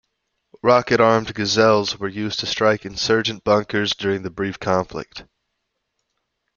Rocket-armed Gazelles were used to strike insurgent bunkers during the brief conflict.